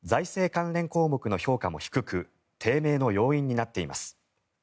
関連項目の評価も低く低迷の要因になっています。